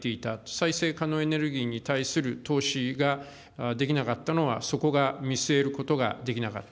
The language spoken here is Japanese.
再生エネルギーに対する投資ができなかったのは、そこが見据えることができなかった。